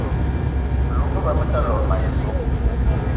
Me lou me ba me ta lot mayi so.